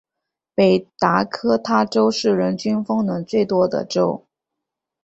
北达科他州是人均风能最多的州。